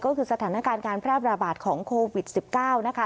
ก็คือสถานการณ์การแพร่ระบาดของโควิด๑๙นะคะ